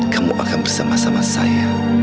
kamu akan bersama sama saya